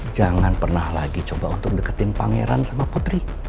jangan pernah lagi coba untuk deketin pangeran sama putri